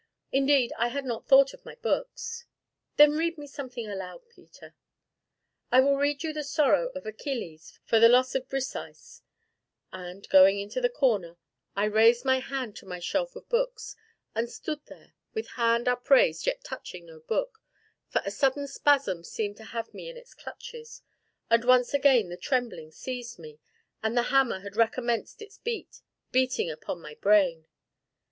"Indeed I had not thought of my books." "Then read me something aloud, Peter." "I will read you the sorrow of Achilles for the loss of Briseis," said I, and, going into the corner, I raised my hand to my shelf of books and stood there with hand upraised yet touching no book, for a sudden spasm seemed to have me in its clutches, and once again the trembling seized me, and the hammer had recommenced its beat, beating upon my brain.